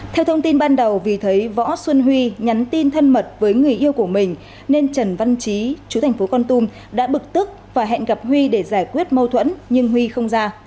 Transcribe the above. theo thông tin ban đầu vì thấy võ xuân huy nhắn tin thân mật với người yêu của mình nên trần văn trí chú thành phố con tum đã bực tức và hẹn gặp huy để giải quyết mâu thuẫn nhưng huy không ra